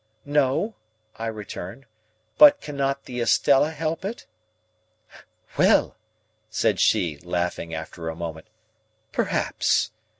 "No," I returned; "but cannot the Estella help it?" "Well!" said she, laughing, after a moment, "perhaps.